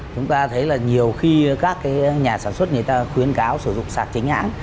chúng ta thấy là nhiều khi các nhà sản xuất người ta khuyến cáo sử dụng sạc chính hãng